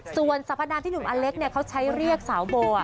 ส่วนสรรพดามที่หนุ่มอเล็กเขาใช้เรียกสาวโบ